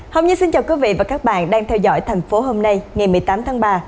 hồng như xin chào quý vị và các bạn đang theo dõi thành phố hôm nay ngày một mươi tám tháng ba